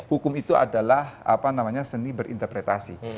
hukum itu adalah apa namanya seni berinterpretasi